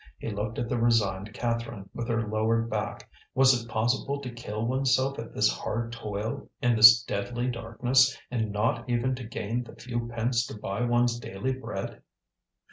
He looked at the resigned Catherine, with her lowered back. Was it possible to kill oneself at this hard toil, in this deadly darkness, and not even to gain the few pence to buy one's daily bread?